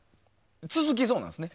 続きそうなんですね？